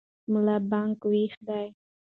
ملا بانګ ویښ دی.